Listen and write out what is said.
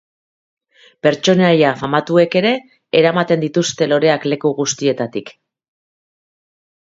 Pertsonaia famatuek ere, eramaten dituzte loreak leku guztietatik.